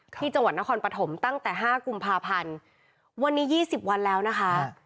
ที่จังหวัดนครปฐมตั้งแต่๕กุมภาพันธ์วันนี้๒๐วันแล้วนะคะ